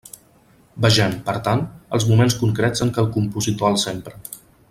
Vegem, per tant, els moments concrets en què el compositor els empra.